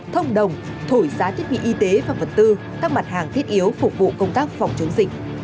thông đồng thổi giá thiết bị y tế và vật tư các mặt hàng thiết yếu phục vụ công tác phòng chống dịch